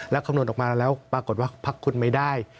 แล้วคำนวณออกมาแล้วปรากฏว่าพักคุณไม่ได้